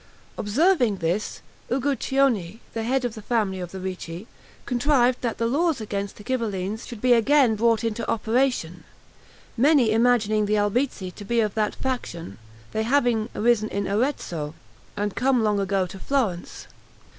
Observing this, Uguccione, the head of the family of the Ricci, contrived that the law against the Ghibellines should be again brought into operation; many imagining the Albizzi to be of that faction, they having arisen in Arezzo, and come long ago to Florence.